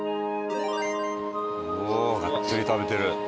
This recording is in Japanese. おおがっつり食べてる。